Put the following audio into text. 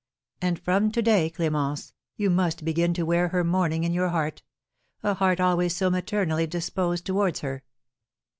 And from to day, Clémence, you must begin to wear her mourning in your heart, a heart always so maternally disposed towards her.